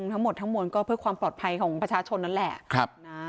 ทั้งหมดทั้งมวลก็เพื่อความปลอดภัยของประชาชนนั่นแหละ